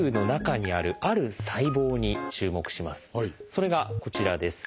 それがこちらです。